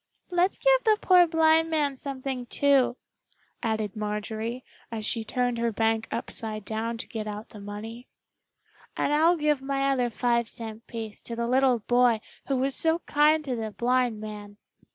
"Let's give the poor blind man something, too," added Marjorie, as she turned her bank upside down to get out the money. "And I'll give my other five cent piece to the little boy who was so kind to the blind man!"